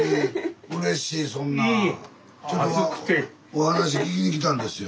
お話聞きに来たんですよ。